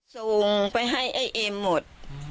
ส่งไปให้เอมหมด